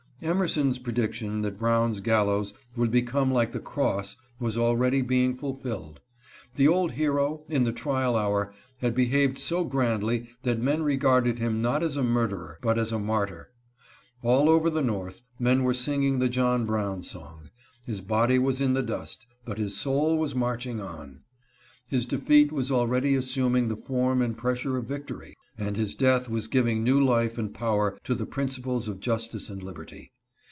Emerson's prediction that Brown's gallows would become like the cross was already being fulfilled. The old hero, in the trial hour, had be haved so grandly that men regarded him not as a mur derer but as a martyr. All over the North men were singing the John Brown song. His body was in the dust, but his soul was marching on. His defeat was already assuming the form and pressure of victory, and his death was giving new life and power to the principles of justice and liberty.